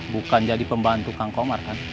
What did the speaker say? bukan jadi pembantu kang komar kan